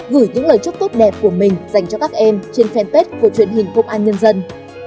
gửi những lời chúc tốt đẹp của mình dành cho các em trên fanpage của truyền hình công an nhân dân